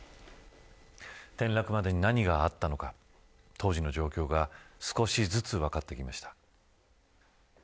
転落までに何があったのか当時の状況が少しずつ分かってきました。